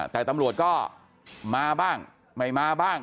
แต่ตำรวจก็มาบ้างไม่มาบ้าง